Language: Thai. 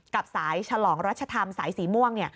กับสายฉลองรัชธรรมสายสีม่วง